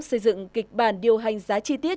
xây dựng kịch bản điều hành giá chi tiết